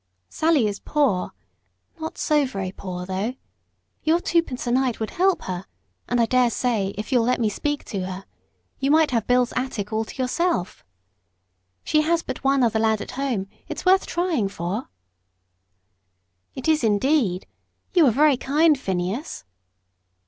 "Sally is poor not so very poor, though. Your twopence a night would help her; and I dare say, if you'll let me speak to her, you might have Bill's attic all to yourself. She has but one other lad at home: it's worth trying for." "It is indeed. You are very kind, Phineas."